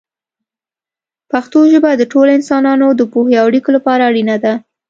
پښتو ژبه د ټولو انسانانو د پوهې او اړیکو لپاره اړینه ده.